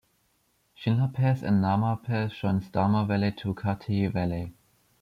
Shinla pass and Nama pass joins Darma Valley to Kuthi valley.